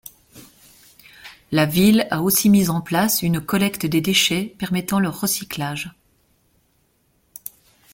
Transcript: La ville a aussi mise en place un collecte des déchets permettant leur recyclage.